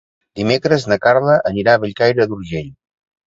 Dimecres na Carla anirà a Bellcaire d'Urgell.